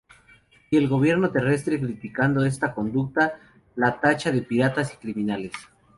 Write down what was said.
Y el gobierno terrestre, criticando esta conducta, los tacha de piratas y criminales.